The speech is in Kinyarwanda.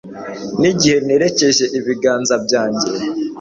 n'igihe nerekeje ibiganza byanjye